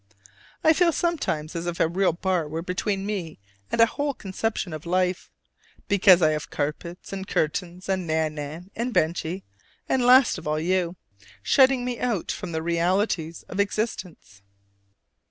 I feel sometimes as if a real bar were between me and a whole conception of life; because I have carpets and curtains, and Nan nan, and Benjy, and last of all you shutting me out from the realities of existence.